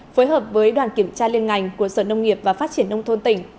phối hợp với đoàn kiểm tra liên ngành của sở nông nghiệp và phát triển nông thôn tỉnh